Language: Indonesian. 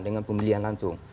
dengan pemilihan langsung